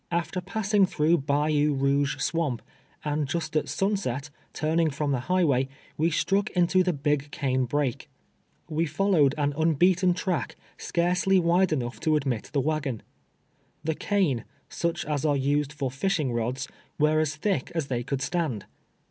After 2)assing through Bayou Tiouge Swamp, and just at sunset, turning from the highway, we struck off into the " Big Cane Brake." We followed an imbeaten track, scarcely wide enough to admit the wagon. Tlie cane, such as are used for fishing rods, were as thick as they could stand.